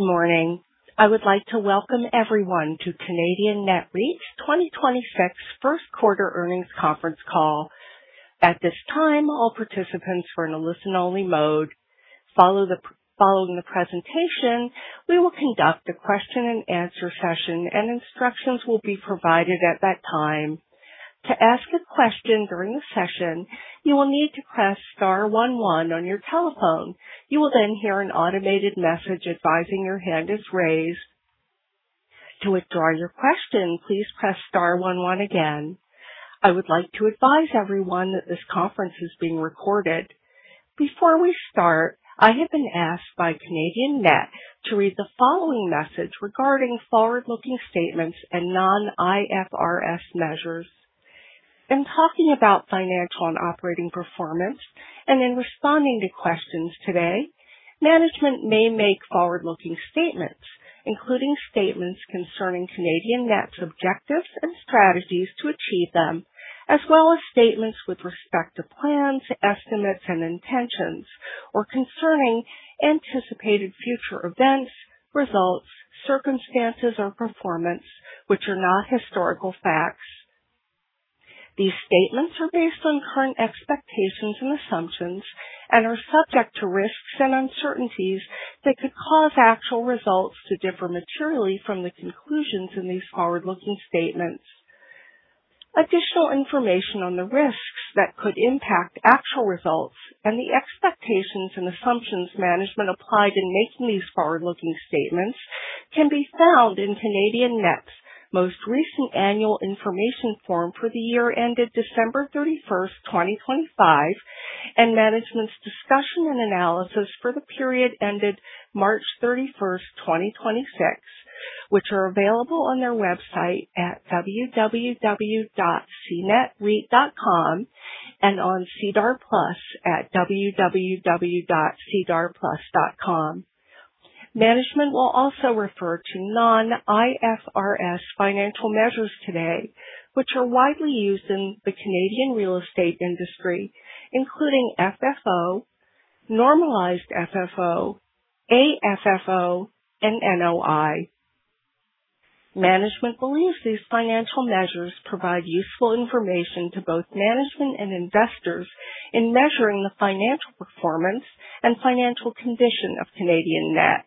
Good morning. I would like to welcome everyone to Canadian Net REIT's 2026 first quarter earnings conference call. Following the presentation, we will conduct a question and answer session and instructions will be provided at that time. I would like to advise everyone that this conference is being recorded. Before we start, I have been asked by Canadian Net to read the following message regarding forward-looking statements and non-IFRS measures. In talking about financial and operating performance and in responding to questions today, management may make forward-looking statements, including statements concerning Canadian Net's objectives and strategies to achieve them, as well as statements with respect to plans, estimates, and intentions, or concerning anticipated future events, results, circumstances, or performance, which are not historical facts. These statements are based on current expectations and assumptions and are subject to risks and uncertainties that could cause actual results to differ materially from the conclusions in these forward-looking statements. Additional information on the risks that could impact actual results and the expectations and assumptions management applied in making these forward-looking statements can be found in Canadian Net's most recent annual information form for the year ended December 31st, 2025, and management's discussion and analysis for the period ended March 31st, 2026, which are available on our website at www.cnetreit.com and on SEDAR+ at www.sedarplus.ca. Management will also refer to non-IFRS financial measures today, which are widely used in the Canadian real estate industry, including FFO, normalized FFO, AFFO, and NOI. Management believes these financial measures provide useful information to both management and investors in measuring the financial performance and financial condition of Canadian Net.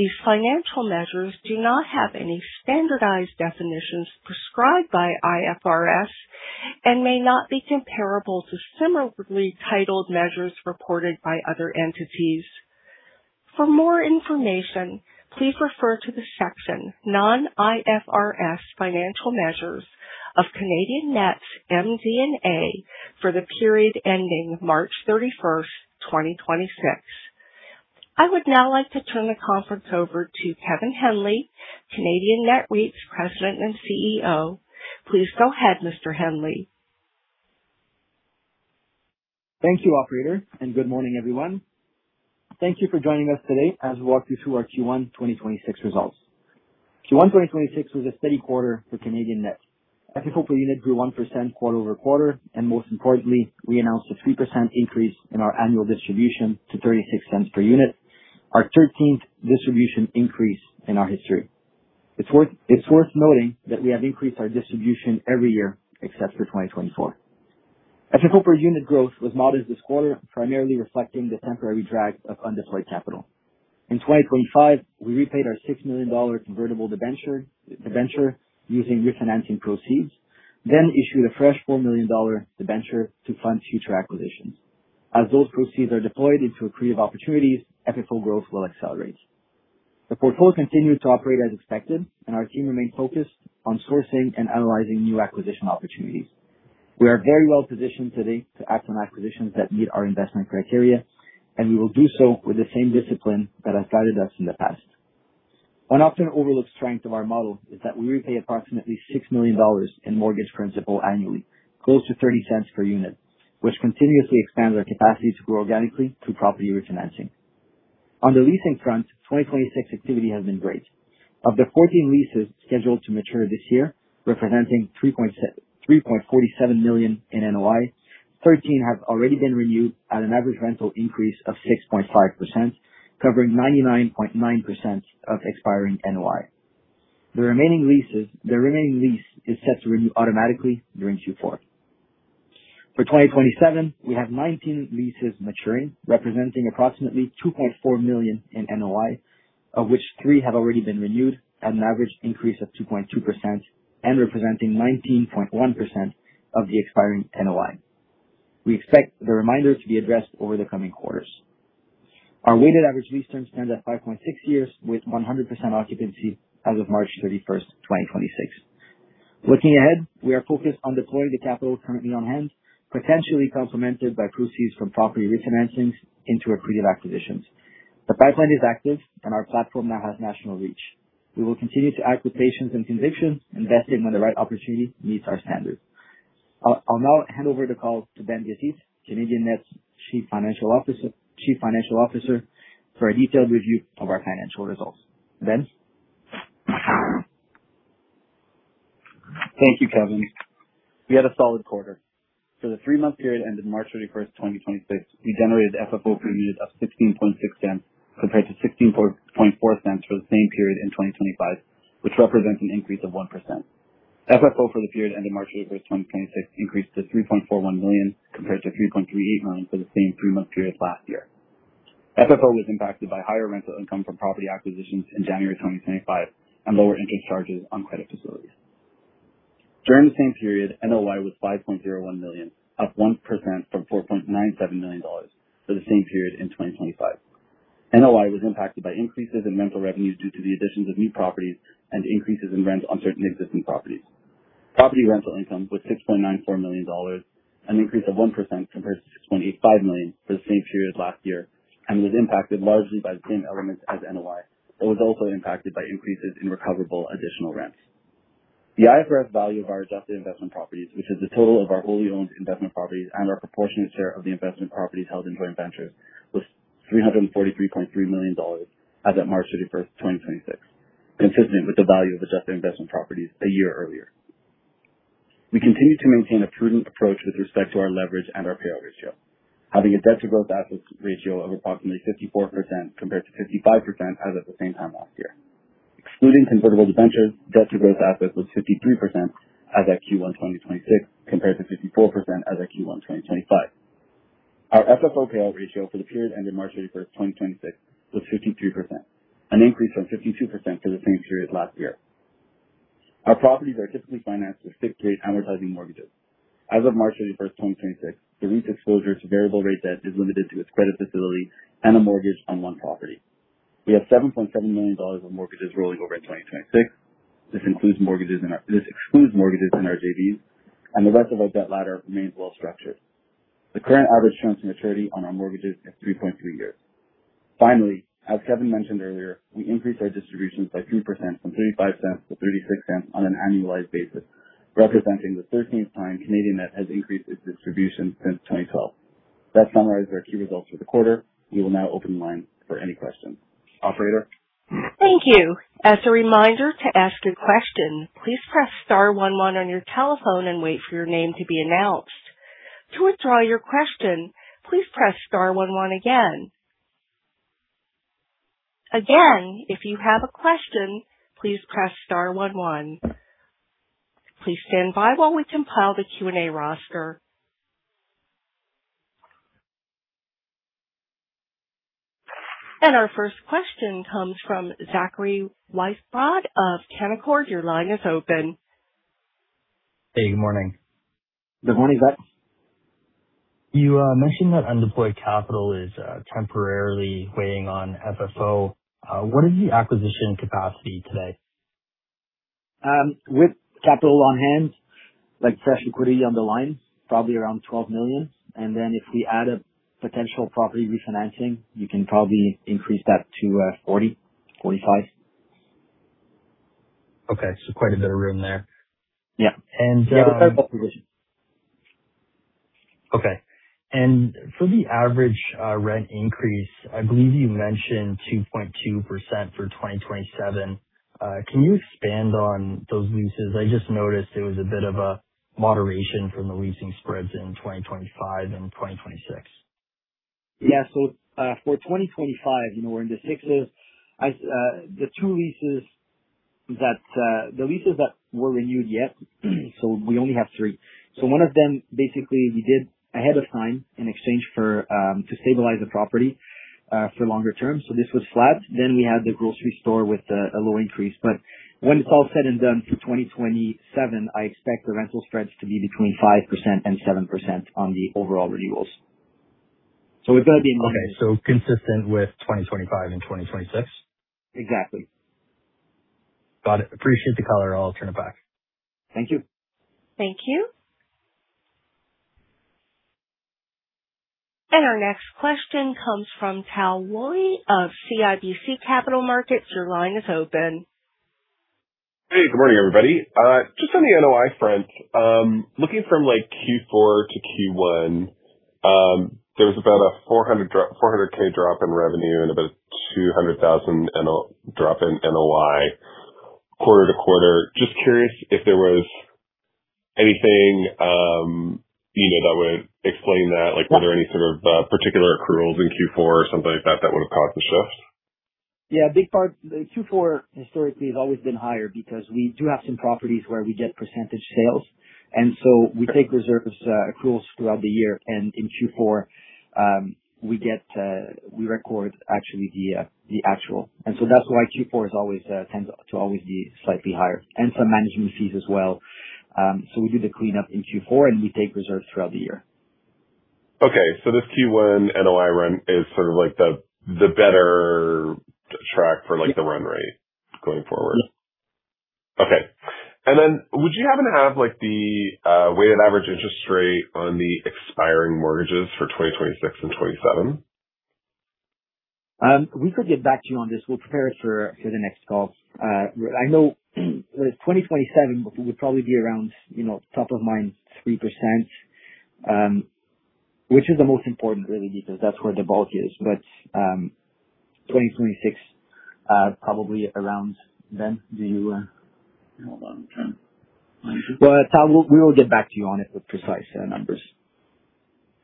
These financial measures do not have any standardized definitions prescribed by IFRS and may not be comparable to similarly titled measures reported by other entities. For more information, please refer to the section, Non-IFRS Financial Measures of Canadian Net's MD&A for the period ending March 31st, 2026. I would now like to turn the conference over to Kevin Henley, Canadian Net REIT's President and CEO. Please go ahead, Mr. Henley. Thank you, operator. Good morning, everyone. Thank you for joining us today as we walk you through our Q1 2026 results. Q1 2026 was a steady quarter for Canadian Net. FFO per unit grew 1% quarter-over-quarter, and most importantly, we announced a 3% increase in our annual distribution to 0.36 per unit. Our 13th distribution increase in our history. It's worth noting that we have increased our distribution every year except for 2024. FFO per unit growth was modest this quarter, primarily reflecting the temporary drag of undeployed capital. In 2025, we repaid our 6 million dollar convertible debenture using refinancing proceeds, then issued a fresh 4 million dollar debenture to fund future acquisitions. As those proceeds are deployed into accretive opportunities, FFO growth will accelerate. The portfolio continued to operate as expected, and our team remained focused on sourcing and analyzing new acquisition opportunities. We are very well positioned today to act on acquisitions that meet our investment criteria, and we will do so with the same discipline that has guided us in the past. An often overlooked strength of our model is that we repay approximately 6 million dollars in mortgage principal annually, close to 0.30 per unit, which continuously expands our capacity to grow organically through property refinancing. On the leasing front, 2026 activity has been great. Of the 14 leases scheduled to mature this year, representing 3.47 million in NOI, 13 have already been renewed at an average rental increase of 6.5%, covering 99.9% of expiring NOI. The remaining lease is set to renew automatically during Q4. For 2027, we have 19 leases maturing, representing approximately 2.4 million in NOI, of which three have already been renewed at an average increase of 2.2% and representing 19.1% of the expiring NOI. We expect the remainder to be addressed over the coming quarters. Our weighted average lease term stands at 5.6 years with 100% occupancy as of March 31st, 2026. Looking ahead, we are focused on deploying the capital currently on hand, potentially complemented by proceeds from property refinancings into accretive acquisitions. Our pipeline is active and our platform now has national reach. We will continue to act with patience and conviction, investing when the right opportunity meets our standards. I'll now hand over the call to Ben Gazith, Canadian Net Real Estate Investment Trust's Chief Financial Officer, for a detailed review of our financial results. Ben? Thank you, Kevin. We had a solid quarter. For the three-month period ending March 31st, 2026, we generated FFO per unit of 0.166 compared to 0.164 for the same period in 2025, which represents an increase of 1%. FFO for the period ending March 31st, 2026, increased to 3.41 million compared to 3.38 million for the same three-month period last year. FFO was impacted by higher rental income from property acquisitions in January 2025 and lower interest charges on credit facilities. During the same period, NOI was 5.01 million, up 1% from 4.97 million dollars for the same period in 2025. NOI was impacted by increases in rental revenue due to the additions of new properties and increases in rents on certain existing properties. Property rental income was 6.94 million dollars, an increase of 1% compared to 6.85 million for the same period last year, and was impacted largely by the same elements as NOI. It was also impacted by increases in recoverable additional rents. The aggregate value of our adjusted investment properties, which is the total of our wholly owned investment properties and our proportionate share of the investment properties held in joint ventures, was 343.3 million dollars as of March 31, 2026, consistent with the value of adjusted investment properties a year earlier. We continue to maintain a prudent approach with respect to our leverage and our payout ratio. Having a debt-to-gross-assets ratio of approximately 54% compared to 55% as of the same time last year. Excluding convertible debentures, debt to gross assets was 53% as of Q1 2026 compared to 54% as of Q1 2025. Our FFO payout ratio for the period ending March 31st, 2026, was 53%, an increase from 52% for the same period last year. Our properties are typically financed with fixed-rate amortizing mortgages. As of March 31st, 2026, the lease disclosure to variable rate debt is limited to a credit facility and a mortgage on one property. We have 7.7 million dollars of mortgages rolling over in 2026. This excludes mortgages in our JVs, and the rest of our debt ladder remains well structured. The current average term to maturity on our mortgages is 3.3 years. Finally, as Kevin Henley mentioned earlier, we increased our distributions by 3% from 0.35 - 0.36 on an annualized basis, representing the 13th time Canadian Net has increased its distribution since 2012. That summarizes our key results for the quarter. We will now open the line for any questions. Operator? Thank you. Our first question comes from Zachary Weisbrod of Canaccord. Your line is open. Hey, good morning. Good morning, Zach. You mentioned that undeployed capital is temporarily weighing on FFO. What is the acquisition capacity today? With capital on hand, fresh equity on the line, probably around 12 million. If we add a potential property refinancing, you can probably increase that to 40 million-45 million. Okay, quite a bit of room there. Yeah. We have a fair position. Okay. For the average rent increase, I believe you mentioned 2.2% for 2027. Can you expand on those leases? I just noticed there was a bit of a moderation from the leasing spreads in 2025 and 2026. For 2025, we're in the thick of it. The leases that weren't renewed yet, we only have three. One of them, basically, we did ahead of time in exchange to stabilize the property for longer term. This was flat. We had the grocery store with a low increase. When it's all said and done through 2027, I expect the rental spreads to be between 5% and 7% on the overall renewals. Consistent with 2025 and 2026? Exactly. Got it. Appreciate the color. I'll turn it back. Thank you. Thank you. Our next question comes from Tal Woolley of CIBC Capital Markets. Your line is open. Hey, good morning, everybody. On the NOI front, looking from Q4 - Q1, there was about a 400,000 drop in revenue and about 200,000 drop in NOI quarter-to-quarter. Curious if there was anything that would explain that. Were there any sort of particular accruals in Q4 or something like that that would've caused the shift? Yeah. Q4 historically has always been higher because we do have some properties where we get percentage sales. We take reserves, accruals throughout the year, and in Q4, we record the actual. That's why Q4 tends to always be slightly higher. Some management fees as well. We do the cleanup in Q4, and we take reserves throughout the year. Okay. The Q1 NOI run is sort of the better track for the run rate going forward. Okay. Then would you happen to have the weighted average interest rate on the expiring mortgages for 2026 and 2027? We could get back to you on this. We'll prepare it for the next call. I know 2027 would probably be around top of mind, 3%. Which is the most important really, because that's where the bulk is. 2026, probably around then the long term. We'll get back to you on it with precise numbers.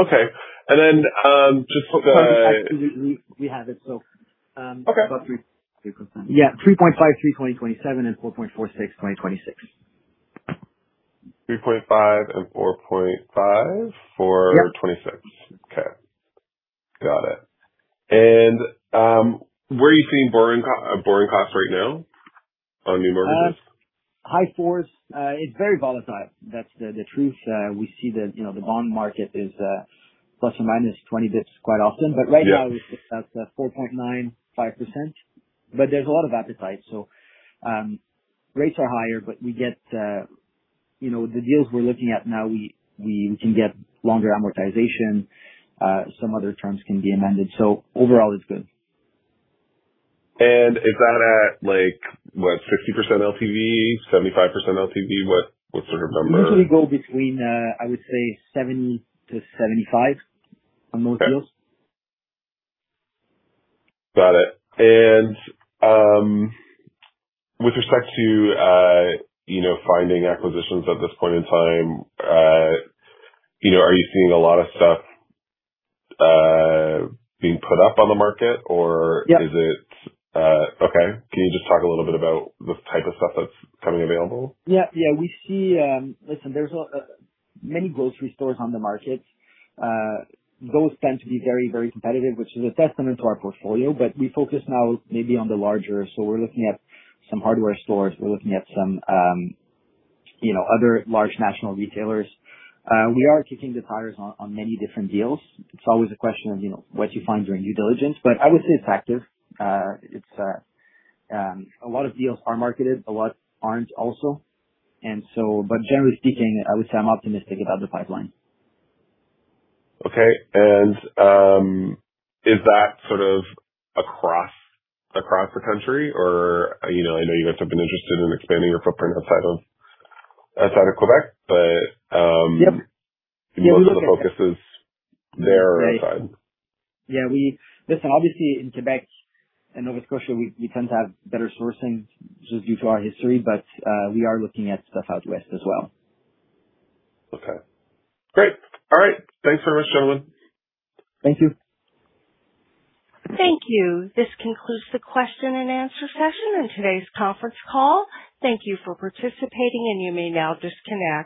Okay. Then. Absolutely. We have it. Okay about 3%. Yeah. 3.5 Q.27 and 4.46, 2026. Three point five and four point five for- Yeah Okay. Got it. Where are you seeing borrowing costs right now on new mortgages? High fours. It's very volatile. That's the truth. We see that the bond market is ±20 bips quite often. Right now it's at 4.95%. There's a lot of appetite. Rates are higher, but we get the deals we're looking at now, we can get longer amortization, some other terms can be amended. Overall it's good. Is that at what, 50% LTV, 75% LTV? What sort of number? Usually go between, I would say 70%-75% on mortgages. Got it. With respect to finding acquisitions at this point in time, are you seeing a lot of stuff being put up on the market or? Yeah is it Okay. Can you just talk a little bit about the type of stuff that's coming available? Yeah. Listen, there's many grocery stores on the market. Those tend to be very competitive, which is a testament to our portfolio. We focus now maybe on the larger. We're looking at some hardware stores. We're looking at some other large national retailers. We are competing with buyers on many different deals. It's always a question of what you find during due diligence. I would say it's active. A lot of deals are marketed, a lot aren't also. Generally speaking, I would say I'm optimistic about the pipeline. Okay. Is that sort of across the country or I know you guys have been interested in expanding your footprint outside of Quebec? Yep most of the focus is there inside. Yeah. Listen, obviously in Quebec and Nova Scotia, we tend to have better sourcing just due to our history, but we are looking at stuff out west as well. Okay, great. All right. Thanks very much, Sheldon. Thank you. Thank you. This concludes the question and answer session in today's conference call. Thank you for participating, and you may now disconnect.